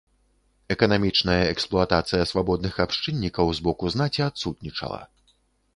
Эканамічная эксплуатацыя свабодных абшчыннікаў з боку знаці адсутнічала.